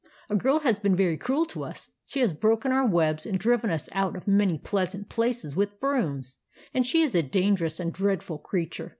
A girl has been very cruel to us. She has broken our webs, and driven us out of many pleasant places with brooms ; and she is a dangerous and dreadful creature.